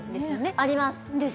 あります